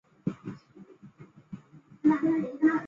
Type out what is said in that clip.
艾希莉顿时霉运当头。